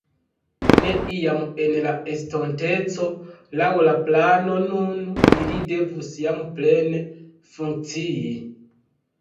Ne iam en la estonteco laŭ la plano nun ili devus jam plene funkcii.